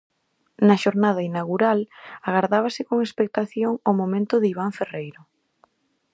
Na xornada inaugural agardábase con expectación o momento de Iván Ferreiro.